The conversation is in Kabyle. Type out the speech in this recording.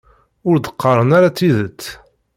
Ur d-qqaren ara tidet.